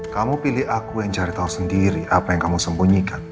kamu pilih aku yang cari tahu sendiri apa yang kamu sembunyikan